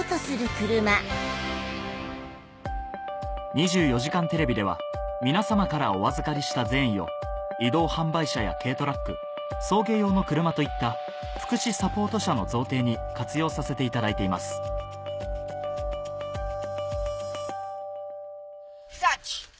『２４時間テレビ』では皆様からお預かりした善意を移動販売車や軽トラック送迎用の車といったの贈呈に活用させていただいていますサーチ！